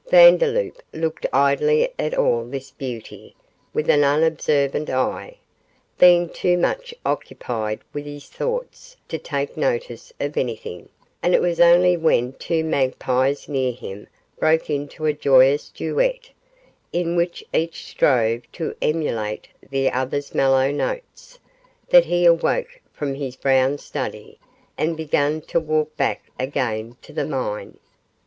Vandeloup looked idly at all this beauty with an unobservant eye, being too much occupied with his thoughts to take notice of anything; and it was only when two magpies near him broke into a joyous duet, in which each strove to emulate the other's mellow notes, that he awoke from his brown study, and began to walk back again to the mine.